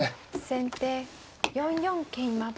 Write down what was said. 先手４四桂馬。